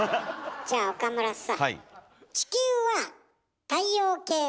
じゃあ岡村さはい。